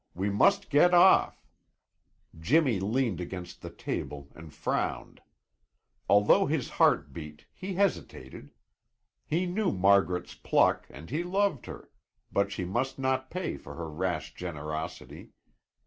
We must get off." Jimmy leaned against the table and frowned. Although his heart beat, he hesitated. He knew Margaret's pluck and he loved her, but she must not pay for her rash generosity.